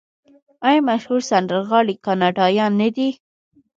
آیا مشهور سندرغاړي کاناډایان نه دي؟